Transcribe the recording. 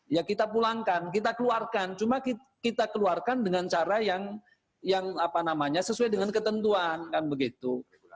ya kita pulangkan kita keluarkan cuma kita keluarkan dengan cara yang sesuai dengan ketentuan kan begitu